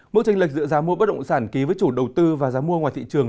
mức tranh lệch giữa giá mua bất động sản ký với chủ đầu tư và giá mua ngoài thị trường